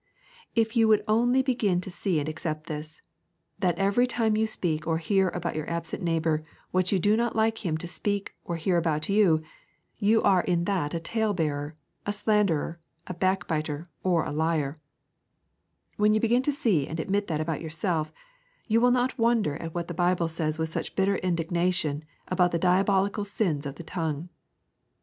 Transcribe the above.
If you would only begin to see and accept this, that every time you speak or hear about your absent neighbour what you would not like him to speak or hear about you, you are in that a talebearer, a slanderer, a backbiter, or a liar, when you begin to see and admit that about yourself, you will not wonder at what the Bible says with such bitter indignation about the diabolical sins of the tongue.